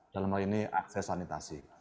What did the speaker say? dalam hal ini akses sanitasi